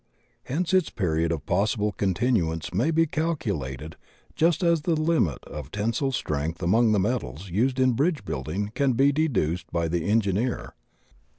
Hence its period of possible continuance may be calculated just as the limit of tensile strain among the metak used in bridge building can be deduced by the engi neer.